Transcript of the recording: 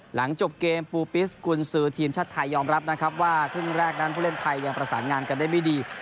หลังจบเกมปูปิสกุลซื้อทีมชาติไทยยอมรับนะครับว่าครึ่งแรกนั้นผู้เล่นไทยยังประสานงานกันได้ไม่ดี